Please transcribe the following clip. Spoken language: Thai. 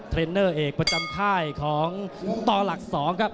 เทรนเนอร์เอกประจำค่ายของต่อหลัก๒ครับ